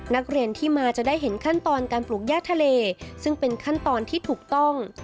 นักเรียนที่มาจะได้เห็นขั้นตอนการปลูกย่าทะเลซึ่งเป็นขั้นตอนที่ถูกต้อง